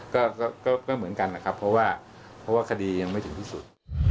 ก็ไม่เหมือนกันนะครับเพราะว่าคดียังไม่ถึงที่สุด